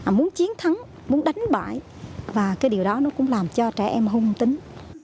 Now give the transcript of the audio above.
muốn chiến thắng muốn đánh bại và cái điều đó nó cũng làm cho trẻ em hung tính